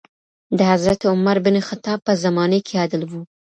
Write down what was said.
د حضرت عمر بن خطاب په زمانې کي عدل و.